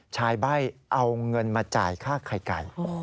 ใบ้เอาเงินมาจ่ายค่าไข่ไก่